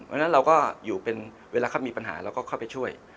เพราะฉะนั้นเราก็อยู่เป็นเวลาเขามีปัญหาเราก็เข้าไปช่วย